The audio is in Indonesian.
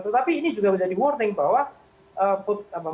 tetapi ini juga menjadi warning bahwa masyarakat itu